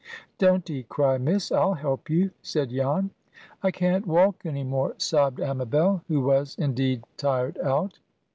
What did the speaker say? "Don't 'ee cry, Miss. I'll help you," said Jan. "I can't walk any more," sobbed Amabel, who was, indeed, tired out.